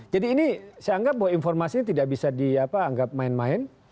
jadi ini saya anggap bahwa informasi ini tidak bisa dianggap main main